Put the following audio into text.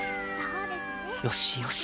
よしよし